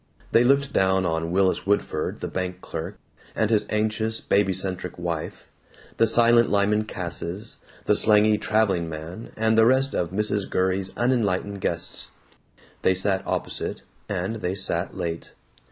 They looked down on Willis Woodford the bank clerk, and his anxious babycentric wife, the silent Lyman Casses, the slangy traveling man, and the rest of Mrs. Gurrey's unenlightened guests. They sat opposite, and they sat late.